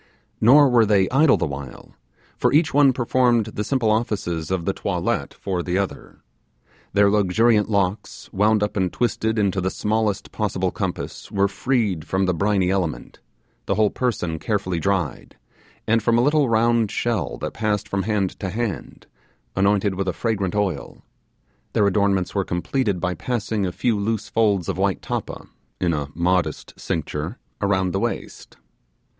Nor were they idle the while, for each one performed the simple offices of the toilette for the other. Their luxuriant locks, wound up and twisted into the smallest possible compass, were freed from the briny element; the whole person carefully dried, and from a little round shell that passed from hand to hand, anointed with a fragrant oil: their adornments were completed by passing a few loose folds of white tappa, in a modest cincture, around the waist.